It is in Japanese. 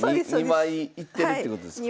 ２枚いってるってことですか。